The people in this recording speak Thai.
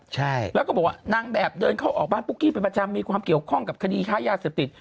ใช่แล้วก็บอกว่านางแบบเดินเข้าออกบ้านปุ๊กกี้เป็นประจำมีความเกี่ยวข้องกับคดีค้ายาเสพติด